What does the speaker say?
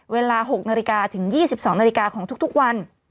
เวลา๖นาฬิกาถึง๒๒นาฬิกาของทุกวัน